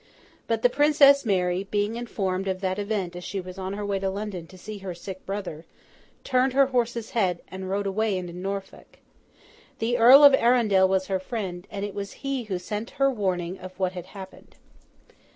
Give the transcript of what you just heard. But, the Princess Mary, being informed of that event as she was on her way to London to see her sick brother, turned her horse's head, and rode away into Norfolk. The Earl of Arundel was her friend, and it was he who sent her warning of what had happened.